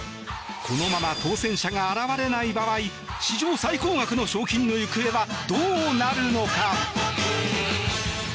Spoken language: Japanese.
このまま当選者が現れない場合史上最高額の賞金の行方はどうなるのか。